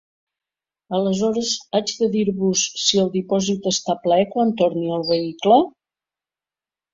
Aleshores haig de dir-vos si el dipòsit està ple quan torni el vehicle?